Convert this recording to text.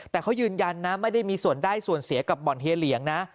แต่เขายืนยันนะไม่ได้มีส่วนได้ส่วนเสียกับบ่อนเฮียเหลียงนะ